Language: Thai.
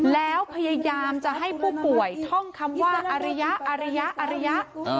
แล้วพยายามจะให้ผู้ป่วยท่องคำว่าอริยะอริยะอริยะ